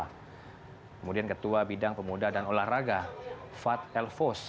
kemudian ketua bidang pemuda dan olahraga fad elvos